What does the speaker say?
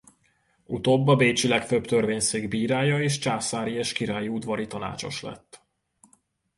Utóbb a bécsi legfőbb törvényszék bírája és császári és királyi udvari tanácsos lett.